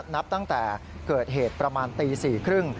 นับตั้งแต่เกิดเหตุประมาณตี๔๓๐